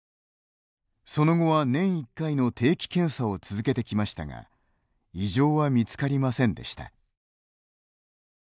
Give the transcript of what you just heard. その後は年１回の定期検査を続けてきましたが異常はみつかりませんでした。